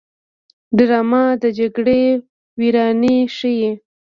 ډرامه د جګړې ویرانۍ ښيي